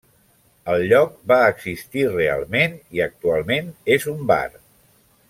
El lloc va existir realment i actualment és un bar.